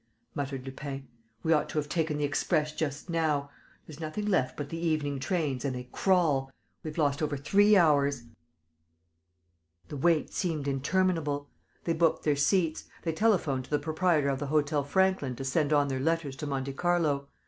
muttered Lupin. "We ought to have taken the express just now! There's nothing left but the evening trains, and they crawl! We've lost over three hours." The wait seemed interminable. They booked their seats. They telephoned to the proprietor of the Hôtel Franklin to send on their letters to Monte Carlo.